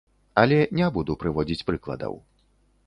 Але не буду прыводзіць прыкладаў.